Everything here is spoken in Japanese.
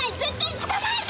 捕まえた！